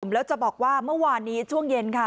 แล้วจะบอกว่าเมื่อวานนี้ช่วงเย็นค่ะ